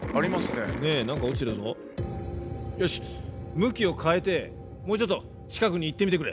向きを変えてもうちょっと近くに行ってみてくれ。